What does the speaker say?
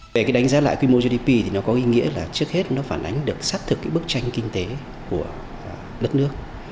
về cái đánh giá lại quy mô gdp thì nó có ý nghĩa là trước hết nó phản ánh được xác thực cái bức tranh kinh tế của đất nước